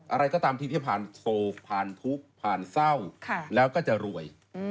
อะไรก็ตามทีที่ผ่านโศกผ่านทุกข์ผ่านเศร้าแล้วก็จะรวย